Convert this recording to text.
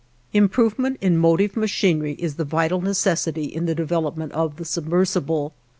Improvement in motive machinery is the vital necessity in the development of the submersible.